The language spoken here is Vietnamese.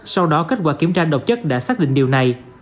sau đó kết quả kiểm tra độc chất đã xác định điều này